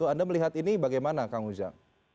anda melihat ini bagaimana kang ujang